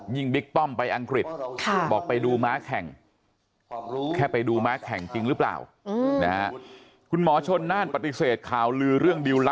ยิ่งบิ๊กป้อมไปอังกฤษบอกไปดูม้าแข่ง